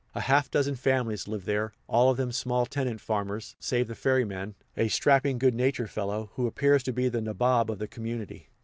A half dozen families live there, all of them small tenant farmers, save the ferryman a strapping, good natured fellow, who appears to be the nabob of the community.